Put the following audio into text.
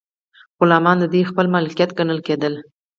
غلامان د دوی خپل مالکیت ګڼل کیدل.